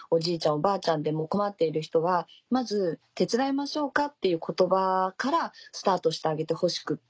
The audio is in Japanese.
おばあちゃんでも困っている人はまず「手伝いましょうか？」っていう言葉からスタートしてあげてほしくて。